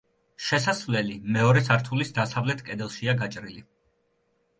შესასვლელი მეორე სართულის დასავლეთ კედელშია გაჭრილი.